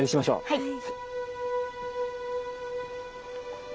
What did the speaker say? はい。